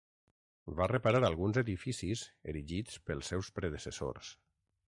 Va reparar alguns edificis erigits pels seus predecessors.